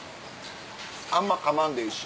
あんまかまんでええし。